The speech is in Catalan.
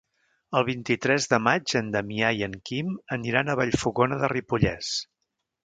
El vint-i-tres de maig en Damià i en Quim aniran a Vallfogona de Ripollès.